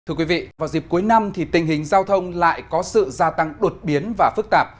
thưa quý vị vào dịp cuối năm thì tình hình giao thông lại có sự gia tăng đột biến và phức tạp